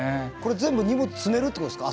全部荷物積めるってことですか？